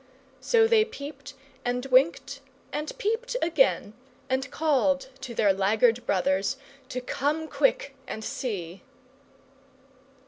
So they peeped, and winked, and peeped again, and called to their laggard brothers to come quick and see.